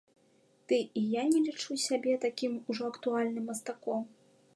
Ды і я не лічу сябе такім ужо актуальным мастаком.